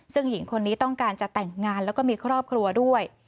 ซึ่งหญิงคนนี้ต้องการจะแต่งงานแล้วก็มีครอบครัวด้วย